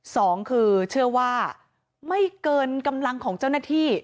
สองคือเชื่อว่าไม่เกินกำลังของเจ้าหน้าที่